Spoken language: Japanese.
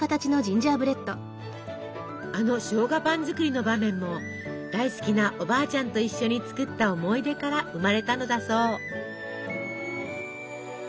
あのしょうがパン作りの場面も大好きなおばあちゃんと一緒に作った思い出から生まれたのだそう。